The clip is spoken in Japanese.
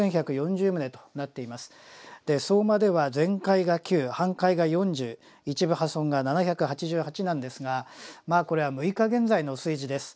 相馬では全壊が９半壊が４０一部破損が７８８なんですがこれは６日現在の数字です。